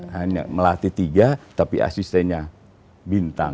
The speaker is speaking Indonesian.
hanya melatih tiga tapi asistennya bintang